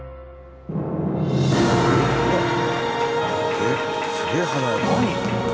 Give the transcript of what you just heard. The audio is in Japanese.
えっすげえ華やか。